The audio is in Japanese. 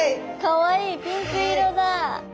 かわいいピンク色だ。